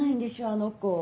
あの子。